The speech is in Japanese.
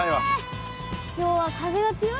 今日は風が強いからね。